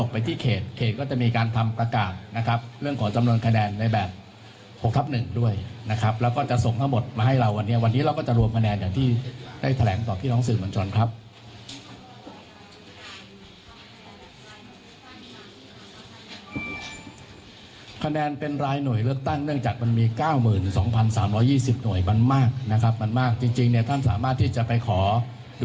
ไปที่เขตเขตก็จะมีการทำประกาศนะครับเรื่องของจำนวนคะแนนในแบบ๖ทับ๑ด้วยนะครับแล้วก็จะส่งทั้งหมดมาให้เราวันนี้วันนี้เราก็จะรวมคะแนนอย่างที่ได้แถลงต่อพี่น้องสื่อมวลชนครับคะแนนเป็นรายหน่วยเลือกตั้งเนื่องจากมันมี๙๒๓๒๐หน่วยมันมากนะครับมันมากจริงจริงเนี่ยท่านสามารถที่จะไปขอ